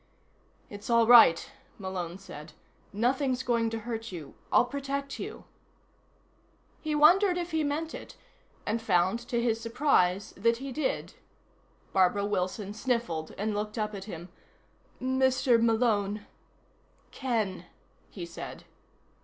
"It's all right," Malone said. "Nothing's going to hurt you. I'll protect you." He wondered if he meant it, and found, to his surprise, that he did. Barbara Wilson sniffled and looked up at him. "Mr. Malone " "Ken," he said.